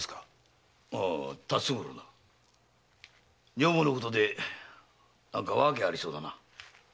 女房のことで何か訳ありそうだな？